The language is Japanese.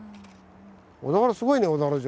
小田原すごいね小田原城。